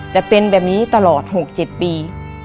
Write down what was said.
จะเป็นแบบนี้ตลอด๖๗ปี